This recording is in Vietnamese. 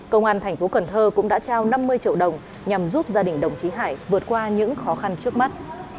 công an tp cn cũng đã trao năm mươi triệu đồng nhằm giúp gia đình đồng chí hải vượt qua những khó khăn trước mắt